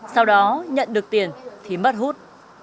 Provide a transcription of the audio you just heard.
sau đó nhận được tiền thì mất hút